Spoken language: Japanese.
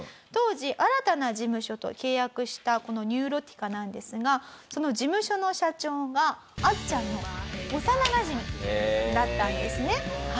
当時新たな事務所と契約したこのニューロティカなんですがその事務所の社長があっちゃんの幼なじみだったんですね。